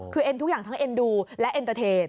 คือเอ็นทุกอย่างทั้งเอ็นดูและเอ็นเตอร์เทจ